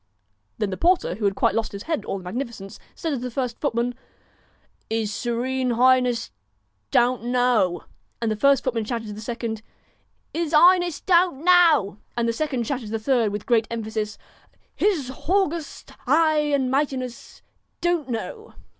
Then the porter, who had quite lost his head at all the magnificence, said to the first footman 1 His Serene Highness Don't know.' And the first footman shouted to the second ' 'Is 'Iness Don't know.' And the second shouted to the third, with great emphasis 'His Haugust 'igh and Mightiness Don't know.'